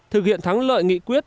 thực hiện thắng lợi nghị quyết